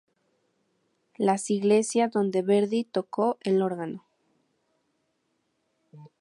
Las iglesias donde Verdi tocó el órgano.